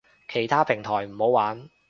其他平台唔好玩